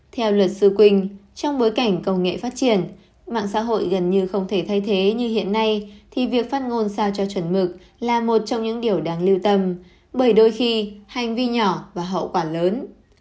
theo luật sư quỳnh trong bối cảnh công nghệ phát triển mạng xã hội gần như không thể thay thế như hiện nay thì việc phát ngôn sao cho chuẩn mực là một trong những điều đáng lưu tâm bởi đôi khi hành vi nhỏ và hậu quả lớn